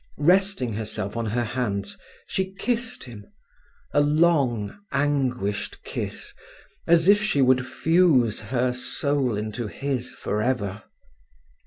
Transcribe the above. Resting herself on her hands, she kissed him—a long, anguished kiss, as if she would fuse her soul into his for ever.